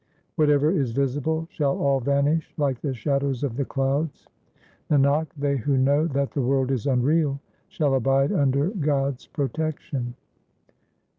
2 Whatever is visible shall all vanish like the shadows of the clouds : Nanak, they who know that the world is unreal shall abide under God's protection.